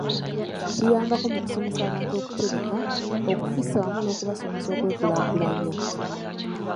Kiyambako mu kusomesa abantu okutereka, okufissa wamu n'okubasomesa okwekulaakulanya.